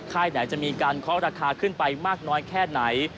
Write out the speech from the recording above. ไหนจะมีการเคาะราคาขึ้นไปมากน้อยแค่ไหน